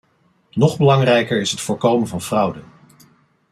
Nog belangrijker is het voorkomen van fraude.